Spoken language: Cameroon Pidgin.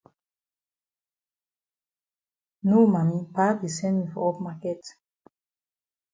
No Mami, Pa be send me for up maket.